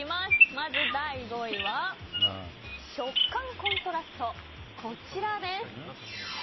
まず第５位は食感コントラスト、こちら。